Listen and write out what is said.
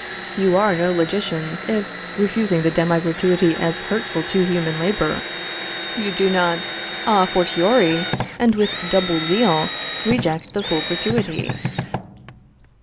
You are no logicians if, refusing the demi gratuity as hurtful to human labor, you do not à fortiori, and with double zeal, reject the full gratuity.